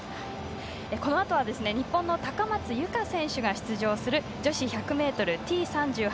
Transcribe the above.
このあとは日本の高松佑圭選手が出場する女子１００ｍＴ３８